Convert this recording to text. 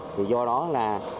thì do đó là